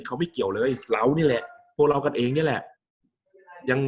เขาไม่เกี่ยวเลยเรานี่แหละพวกเรากันเองนี่แหละยัง